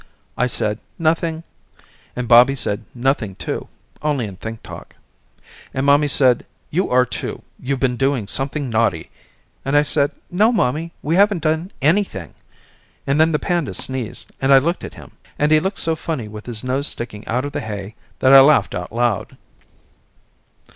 I said nothing, and Bobby said nothing too, only in think talk. And mommy said you are too, you've been doing something naughty, and I said no mommy we haven't done anything, and then the panda sneezed and I looked at him and he looked so funny with his nose sticking out of the hay that I laughed out loud.